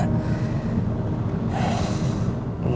tidak ada yang bisa menghubungi riri